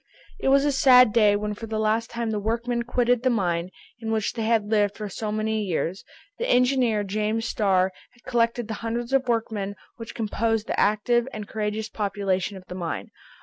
It was a sad day, when for the last time the workmen quitted the mine, in which they had lived for so many years. The engineer, James Starr, had collected the hundreds of workmen which composed the active and courageous population of the mine.